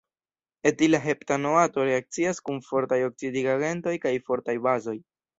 Etila heptanoato reakcias kun fortaj oksidigagentoj kaj fortaj bazoj.